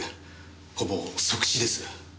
ほぼ即死です。